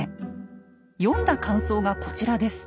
読んだ感想がこちらです。